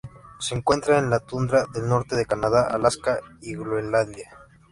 Se encuentra en la tundra del norte de Canadá, Alaska y Groenlandia.